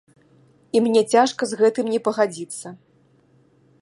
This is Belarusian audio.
І мне цяжка з гэтым не пагадзіцца.